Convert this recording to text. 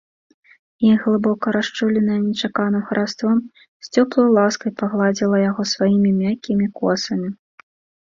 І, глыбока расчуленае нечаканым хараством, з цёплаю ласкай пагладзіла яго сваімі мяккімі косамі.